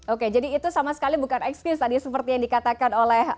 oke jadi itu sama sekali bukan excuse tadi seperti yang dikatakan oleh